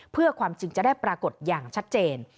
เพื่อความจริงจะได้ปรากฏอย่างชัดเจน